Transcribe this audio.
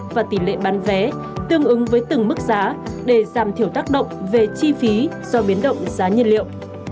và tỷ lệ bán vé tương ứng với từng mức giá để giảm thiểu tác động về chi phí do biến động giá nhiên liệu